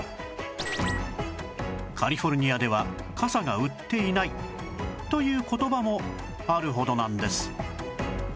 「カリフォルニアでは傘が売っていない」という言葉もあるほどなんです